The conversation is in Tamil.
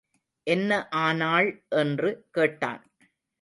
என்ன ஆனாள் என்று கேட்டான்.